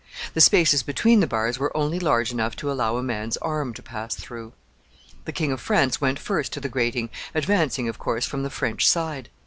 The spaces between the bars were only large enough to allow a man's arm to pass through. The King of France went first to the grating, advancing, of course, from the French side.